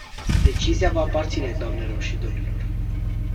Decizia vă aparține, doamnelor și domnilor.